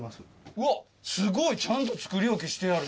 うわっすごいちゃんと作り置きしてある。